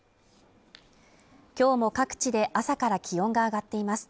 今日も各地で朝から気温が上がっています